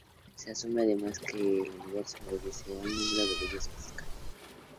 Se asume, además, que el universo obedece un número de leyes físicas.